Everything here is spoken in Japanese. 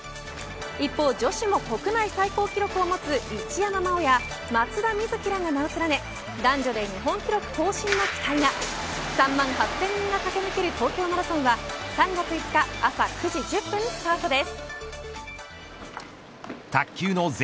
一方、女子も国内最高記録を持つ一山麻緒や松田瑞生らが名を連ね男女で日本記録更新の期待が３万８０００人が駆け抜ける東京マラソンは３月５日、朝９時１０分スタートです。